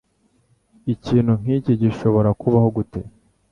Ikintu nk'iki gishobora kubaho gute?